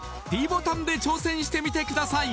ｄボタンで挑戦してみてください